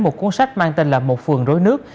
một cuốn sách mang tên là một phường rối nước